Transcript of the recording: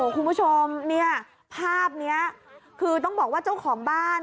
คุณผู้ชมเนี่ยภาพนี้คือต้องบอกว่าเจ้าของบ้าน